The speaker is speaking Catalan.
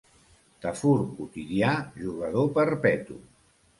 Tafur quotidià, jugador perpetu.